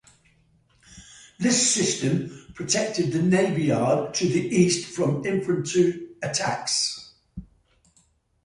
This system protected the Navy Yard to the east from infantry attacks.